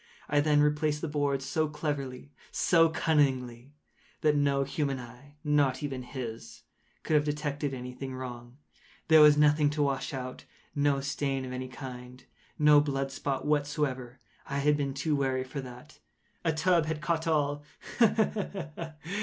I then replaced the boards so cleverly, so cunningly, that no human eye—not even his—could have detected any thing wrong. There was nothing to wash out—no stain of any kind—no blood spot whatever. I had been too wary for that. A tub had caught all—ha! ha!